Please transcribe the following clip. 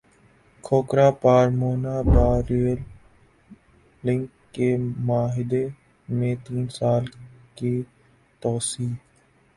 کھوکھرا پار Munabao rail link کے معاہدے میں تین سال کی توسیع